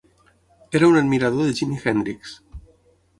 Era un admirador de Jimi Hendrix.